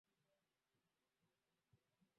Hakuna gharama ya ziada kwako kwa hiyo